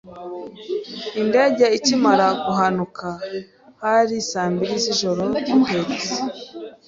Indege ikimara guhanuka hari saa mbiri z’ijoro dutetse